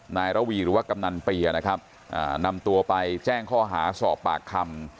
ระวีหรือว่ากำนันเปียนะครับนำตัวไปแจ้งข้อหาสอบปากคำ